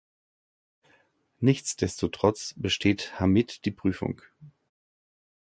Nichtsdestotrotz besteht Hamid die Prüfung.